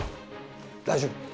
大丈夫！